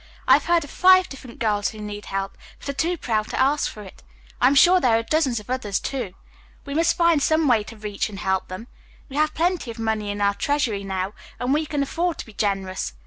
I have heard of five different girls who need help, but are too proud to ask for it. I am sure there are dozens of others, too. We must find some way to reach and help them. We have plenty of money in our treasury now, and we can afford to be generous.